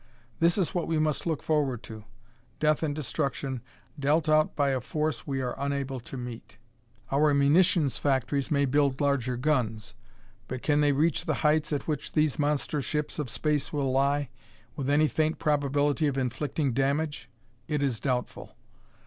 This is what we must look forward to death and destruction dealt out by a force we are unable to meet. "Our munitions factories may build larger guns, but can they reach the heights at which these monster ships of space will lie, with any faint probability of inflicting damage? It is doubtful.